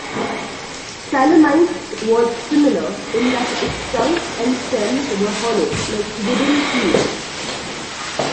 "Calamites" was similar in that its trunk and stems were hollow, like wooden tubes.